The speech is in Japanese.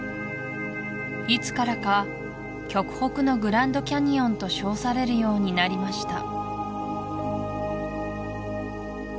いつからか極北のグランドキャニオンと称されるようになりました